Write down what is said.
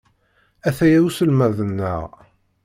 Ataya uselmad-nneɣ.